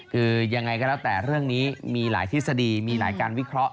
คือยังไงก็แล้วแต่เรื่องนี้มีหลายทฤษฎีมีหลายการวิเคราะห